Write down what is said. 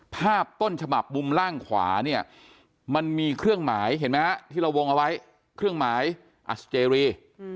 ภาพต้นฉบับมุมล่างขวาเนี่ยมันมีเครื่องหมายเห็นไหมฮะที่เราวงเอาไว้เครื่องหมายอัศเจรี